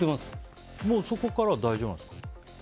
そこからは大丈夫なんですか。